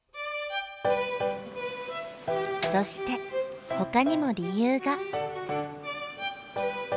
そしてほかにも理由が。